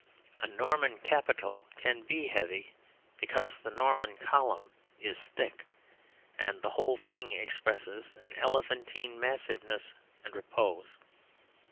A Norman capital can be heavy because the Norman column is thick, and the whole thing expresses an elephantine massiveness and repose.